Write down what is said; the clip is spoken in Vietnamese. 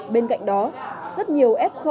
bên cạnh đó rất nhiều f